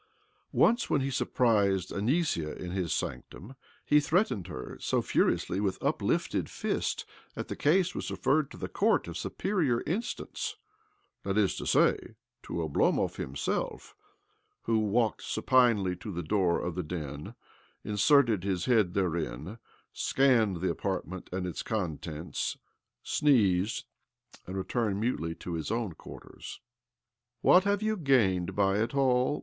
Once, when he surprised Anisia in his sanctum, he threatened her so furiously with uplifted fist that the case was referred to the court of superior instance— that is to say, to Oblomov himself, who walked supinely to the door of the den, inserted his head therein, scanned the apartment and its contents, sneezed, and returned mutely to his own quarters . "What have you gained by it all?"